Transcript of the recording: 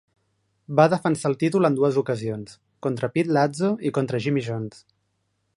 Va defensar el títol en dues ocasions, contra Pete Latzo i contra Jimmy Jones.